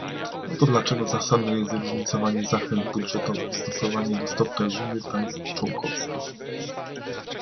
Oto dlaczego zasadne jest różnicowanie zachęt budżetowych stosowanie do stopnia winy państw członkowskich